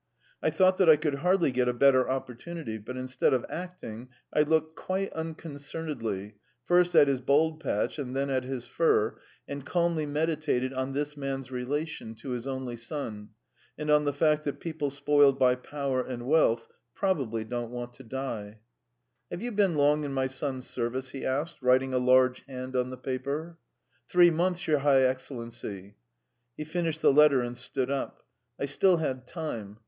I thought that I could hardly get a better opportunity. But instead of acting, I looked quite unconcernedly, first at his bald patch and then at his fur, and calmly meditated on this man's relation to his only son, and on the fact that people spoiled by power and wealth probably don't want to die. ... "Have you been long in my son's service?" he asked, writing a large hand on the paper. "Three months, your High Excellency." He finished the letter and stood up. I still had time.